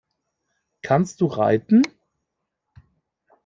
Kannst du reiten?